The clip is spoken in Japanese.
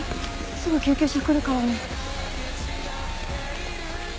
すぐ救急車来るからね。